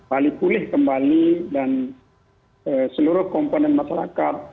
bali pulih kembali dan seluruh komponen masyarakat